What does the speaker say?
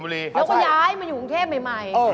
แล้วก็ย้ายมาอยู่กรุงเทพใหม่